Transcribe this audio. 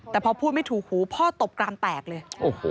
แต่พอพูดไม่ถูกหูพ่อตบกรามแตกเลย